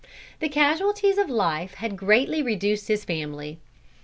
The casualties of life had greatly reduced his family.